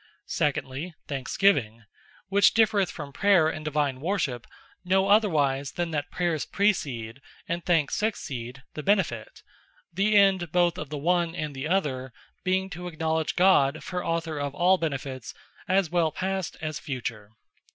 Secondly, Thanksgiving; which differeth from Prayer in Divine Worship, no otherwise, than that Prayers precede, and Thanks succeed the benefit; the end both of the one, and the other, being to acknowledge God, for Author of all benefits, as well past, as future.